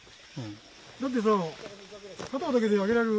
だってさ片方だけであげられる？